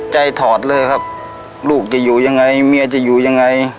ถอดเลยครับลูกจะอยู่ยังไงเมียจะอยู่ยังไง